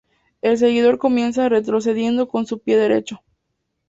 El seguidor comienza retrocediendo con su pie derecho.